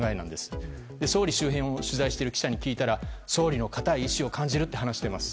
総理周辺を取材している記者に聞いたら総理の固い意志を感じると話しています。